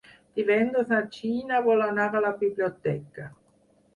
Divendres na Gina vol anar a la biblioteca.